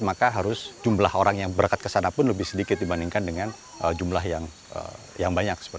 maka harus jumlah orang yang berangkat ke sana pun lebih sedikit dibandingkan dengan jumlah yang banyak